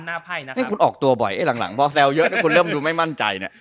เฮ้ยคุณออกตัวบ่อยย์ซักทีผมแซวเยอะแล้วคุณเริ่มดูไม่มั่นใจ